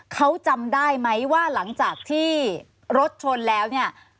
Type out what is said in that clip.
เขาจำได้ไหมว่าหลังจากที่รถชนแล้วเนี่ย